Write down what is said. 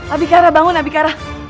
abikara bangun abikara